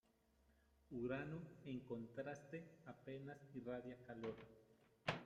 Urano, en contraste, apenas irradia calor.